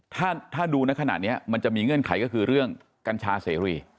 ถ้าดูในขณะนี้มันจะมีเงื่อนไขก็คือเรื่องกัญชาเสรี